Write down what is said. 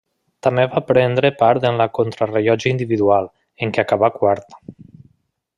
També va prendre part en la contrarellotge individual, en què acabà quart.